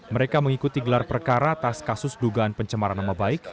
mereka mengikuti gelar perkara atas kasus dugaan pencemaran nama baik